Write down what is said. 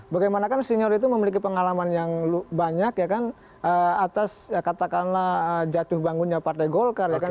bagaimana kan senior itu memiliki pengalaman yang banyak ya kan atas katakanlah jatuh bangunnya partai golkar ya kan